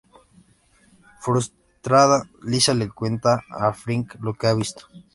Frustrada, Lisa le cuenta a Frink lo que ha visto.